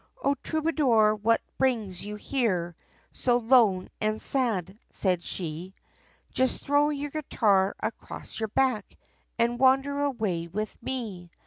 "O troubadour, what brings you here, So lone and sad?" said she, Just throw your guitar across your back, And wander away with me.